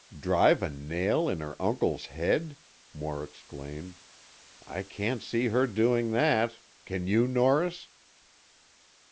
"Drive a nail in her uncle's head!" Moore exclaimed. "I can't see her doing that! Can you, Norris?"